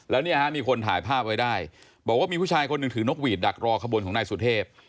แล้วเนี่ยฮะมีคนถ่ายภาพไว้ได้บอกว่ามีผู้ชายคนหนึ่งถือนกหวีดดักรอขบวนของนายสุเทพ